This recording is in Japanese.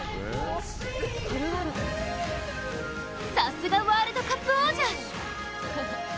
さすがワールドカップ王者。